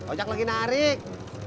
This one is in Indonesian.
ojak lagi narik